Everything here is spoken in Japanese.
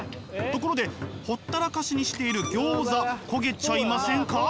ところでほったらかしにしているギョーザ焦げちゃいませんか？